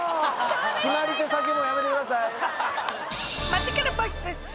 決まり手叫ぶのやめてください